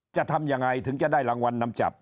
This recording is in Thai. จะทำยังไงถึงจะได้รางวัลนำจับ